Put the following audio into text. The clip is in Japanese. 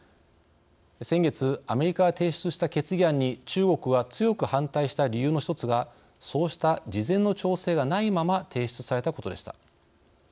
先月アメリカが提出した決議案に中国は強く反対した理由の１つがそうした事前の調整がないまま提出されたことでした。